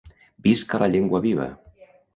Visca la llengua viva!».